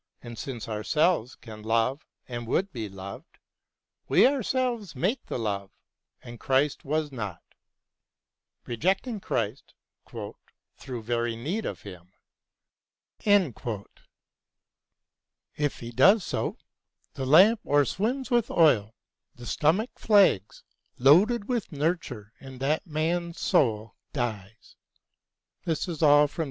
And since ourselves can love and would be loved. We ourselves make the love, and Christ was not — rejecting Christ " through very need of Him "? If he does so. The lamp o'erswims with oil, the stomach flags, Loaded with nurture, and that man's soul dies. »" Death in the Desert." t Ibid.